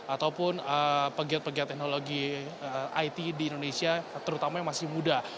ataupun pegiat pegiat teknologi it di indonesia terutama yang masih muda